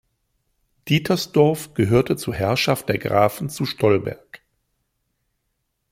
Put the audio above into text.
Dietersdorf gehörte zur Herrschaft der Grafen zu Stolberg.